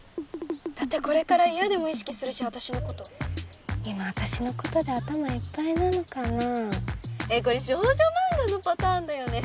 だってこれから嫌でも意識するし私のこと今私のことで頭いっぱいなのかなこれ少女マンガのパターンだよね